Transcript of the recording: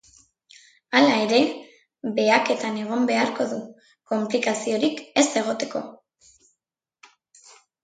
Hala ere, behaketan egon beharko du, konplikaziorik ez egoteko.